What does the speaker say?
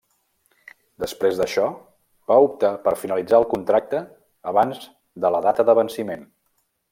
Després d'això, va optar per finalitzar el contracte abans de la data de venciment.